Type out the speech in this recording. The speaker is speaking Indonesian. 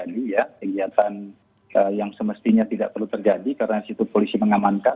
kegiatan yang semestinya tidak perlu terjadi karena situ polisi mengamankan